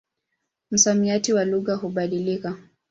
Msamiati wa lugha hubadilika.